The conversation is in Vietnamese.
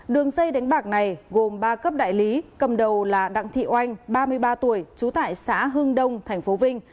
đường dây đánh bạc này gồm ba cấp đại lý cầm đầu là đặng thị oanh ba mươi ba tuổi trú tại xã hưng đông tp vinh